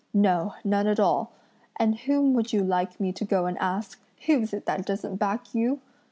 No, none at all! and whom would you like me to go and ask; who's it that doesn't back you?